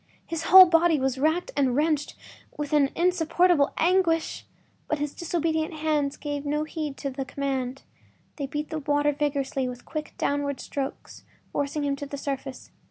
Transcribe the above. His whole body was racked and wrenched with an insupportable anguish! But his disobedient hands gave no heed to the command. They beat the water vigorously with quick, downward strokes, forcing him to the surface.